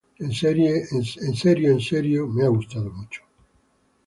En serio, en serio, me ha gustado mucho.